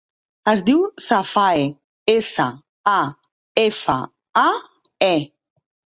Es diu Safae: essa, a, efa, a, e.